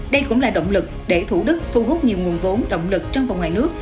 đây cũng là động lực để thủ đức thu hút nhiều nguồn vốn động lực trong và ngoài nước